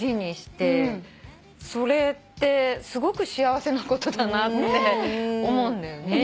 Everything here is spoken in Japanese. それってすごく幸せなことだなって思うんだよね。